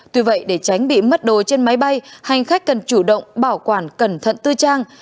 tuy vậy để tránh bị mất đồ trên máy bay hành khách cần chủ động bảo quản cẩn thận tư trang